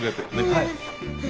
はい。